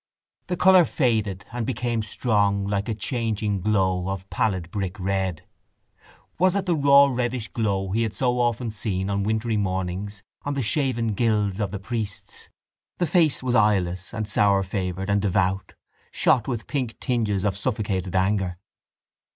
The colour faded and became strong like a changing glow of pallid brick red. Was it the raw reddish glow he had so often seen on wintry mornings on the shaven gills of the priests? The face was eyeless and sourfavoured and devout, shot with pink tinges of suffocated anger.